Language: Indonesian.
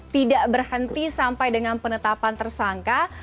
tidak berhenti sampai dengan penetapan tersangka